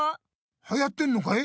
はやってんのかい？